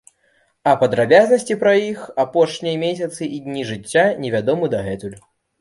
А падрабязнасці пра іх апошнія месяцы і дні жыцця не вядомыя дагэтуль.